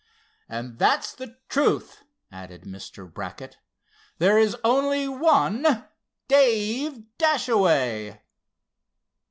"And that's the truth," added Mr. Brackett. "There is only one Dave Dashaway."